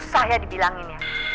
susah ya dibilangin ya